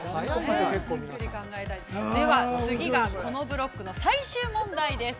では、次がこのブロックの最終問題です。